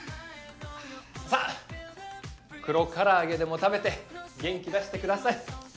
さあ黒からあげでも食べて元気出してください。